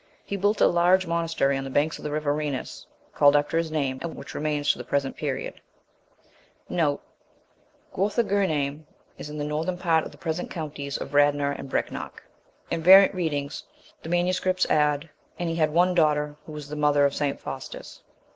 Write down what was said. He built a large monastery on the banks of the river Renis, called after his name, and which remains to the present period.(2) (1) In the northern part of the present counties of Radnor and Brecknock. (2) V.R. The MSS. add, 'and he had one daughter, who was the mother of St. Faustus.'